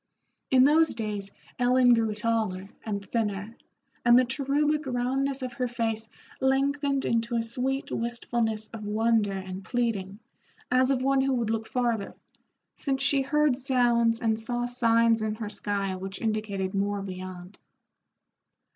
In those days Ellen grew taller and thinner, and the cherubic roundness of her face lengthened into a sweet wistfulness of wonder and pleading, as of one who would look farther, since she heard sounds and saw signs in her sky which indicated more beyond.